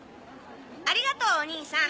ありがとうおにいさん。